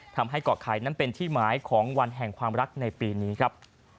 ทำให้เกาะไข่นั้นเป็นที่หมายของวันแห่งความรักในปีนี้ครับ